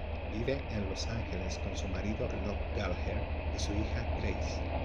Vive en Los Ángeles con su marido, Loch Gallagher, y su hija, Grace.